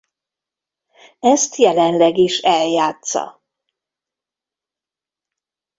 Ezt jelenleg is eljátssza.